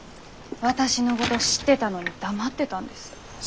私のごど知ってたのに黙ってたんです。